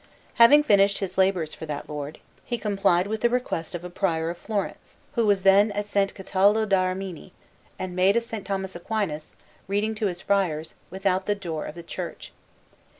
Having finished his labours for that lord, he complied with the request of a Prior of Florence who was then at S. Cataldo d'Arimini, and made a S. Thomas Aquinas, reading to his friars, without the door of the church.